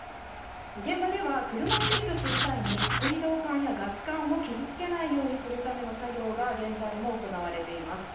現場では車を撤去する際に水道管やガス管を傷つけないようにするための作業が現在も行われています。